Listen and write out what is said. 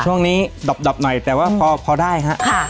ช่วงนี้ดับดับหน่อยแต่ว่าพอได้ฮะ